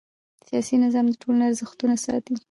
سیاسي نظام د ټولنې ارزښتونه ساتي